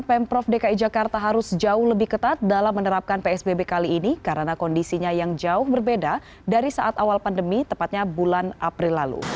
pemprov dki jakarta harus jauh lebih ketat dalam menerapkan psbb kali ini karena kondisinya yang jauh berbeda dari saat awal pandemi tepatnya bulan april lalu